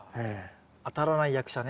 当たらない役者ね。